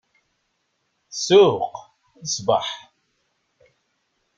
Ssuq, ṣṣbeḥ!